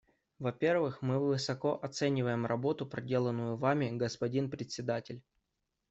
Во-первых, мы высоко оцениваем работу, проделанную Вами, господин Председатель.